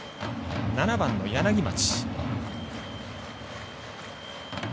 ７番の柳町。